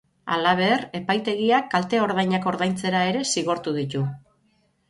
Halaber, epaitegiak kalte-ordainak ordaintzera ere zigortu ditu.